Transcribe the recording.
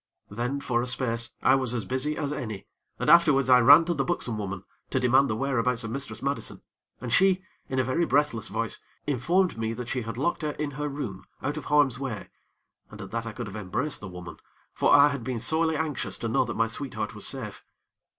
Then, for a space, I was as busy as any, and afterwards I ran to the buxom woman to demand the whereabouts of Mistress Madison, and she, in a very breathless voice, informed me that she had locked her in her room out of harm's way, and at that I could have embraced the woman; for I had been sorely anxious to know that my sweetheart was safe.